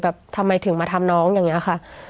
ทำไมถึงมาทำน้องอย่างนี้ค่ะ